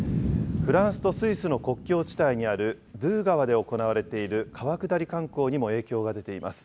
フランスとスイスの国境地帯にあるドゥー川で行われている川下り観光にも影響が出ています。